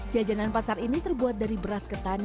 jajanan pasar ini terbuat dari beras ketan